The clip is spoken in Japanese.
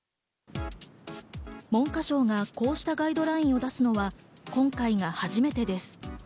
文科省がこうしたガイドラインを出すのは今回が初めてです。